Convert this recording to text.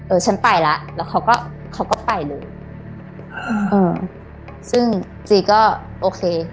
ฉันไปแล้วแล้วเขาก็เขาก็ไปเลยเออซึ่งจีก็โอเค